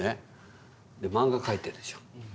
マンガ描いてるでしょ。